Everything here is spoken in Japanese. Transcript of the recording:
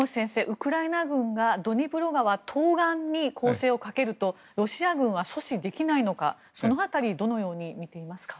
ウクライナ軍がドニプロ川東岸に攻勢をかけるとロシア軍は阻止できないのかその辺りどのように見ていますか。